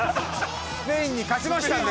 スペインに勝ちましたんで。